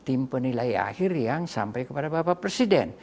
dan tim penilai akhir yang sampai kepada bapak presiden